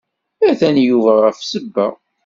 Atan Yuba ɣef ssebba.